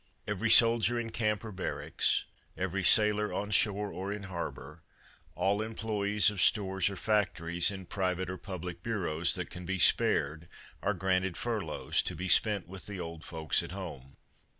Every soldier in camp or barracks, every sailor on shore or in harbor, all employes of stores or factories, in private or public bureaus, that can be spared, are granted furloughs, to be spent with the old folks at home.